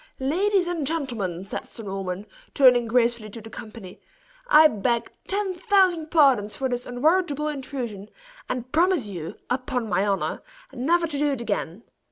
"Ladies and gentlemen!" said Sir Norman, turning gracefully to the company; "I beg ten thousand pardons for this unwarrantable intrusion, and promise you, upon my honor, never to do it again.